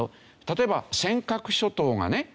例えば尖閣諸島がね